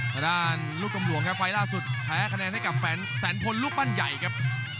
ทางด้านลูกกำหลวงครับไฟล์ล่าสุดแพ้คะแนนให้กับแสนพลลูกบ้านใหญ่ครับ